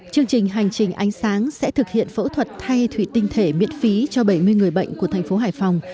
chương trình hành trình ánh sáng sẽ thực hiện phẫu thuật thay thủy tinh thể miễn phí cho bảy mươi người bệnh của thành phố hải phòng